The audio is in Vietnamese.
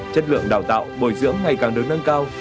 chất lượng đào tạo bồi dưỡng ngày càng đứng nâng cao